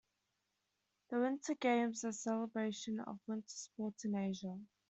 The Winter Games are a celebration of Winter sports in Asia.